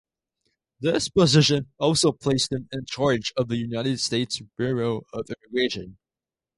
This position also placed him in charge of the United States Bureau of Immigration.